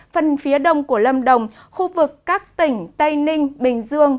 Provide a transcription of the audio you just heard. phần phía đông của lâm đồng khu vực các tỉnh tây ninh bình dương